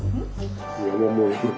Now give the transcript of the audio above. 山盛り。